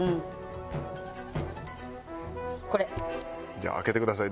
じゃあ開けてください。